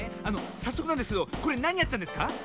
さっそくなんですけどこれなにやってたんですか？